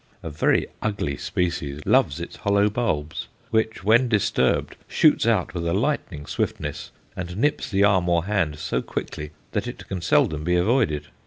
A very ugly species loves its hollow bulbs, which, when disturbed, shoots out with lightning swiftness and nips the arm or hand so quickly that it can seldom be avoided.